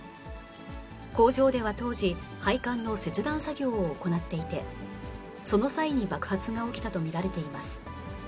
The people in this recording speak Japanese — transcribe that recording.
工場では当時、配管の切断作業を行っていて、その際に爆発が起きたと見られています。